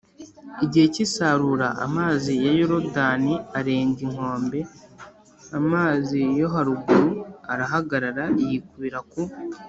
igihe cy isarura amazi ya Yorodani arenga inkombe amazi yo haruguru arahagarara yikubira ku